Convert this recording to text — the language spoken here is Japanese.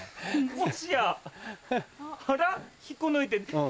もしやあら引っこ抜いて。